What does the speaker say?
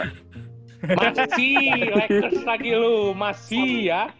masih lakers lagi lu masih ya